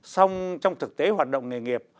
song trong thực tế hoạt động nghề nghiệp